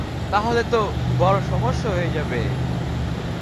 তাহলে বড় সমস্যা হয়ে যাবে।